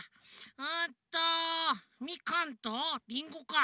うんとミカンとリンゴか。